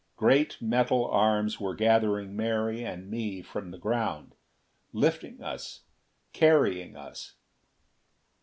Great metal arms were gathering Mary and me from the ground. Lifting us; carrying us....